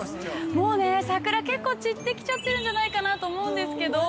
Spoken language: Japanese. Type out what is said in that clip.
もうね、桜、結構散ってきちゃってるんじゃないかなと思うんですけど。